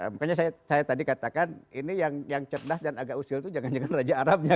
makanya saya tadi katakan ini yang cerdas dan agak usil itu jangan jangan raja arab ya